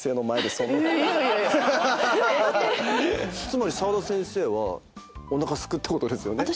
つまり澤田先生はおなかすくってことですよね？